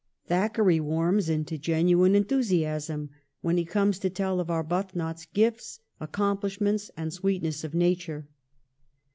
Thackeray warms into genuine enthusiasm when he comes to tell of Arbuthnot's gifts, accomphshments, and sweetness of nature.